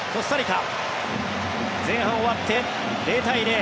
前半終わって０対０。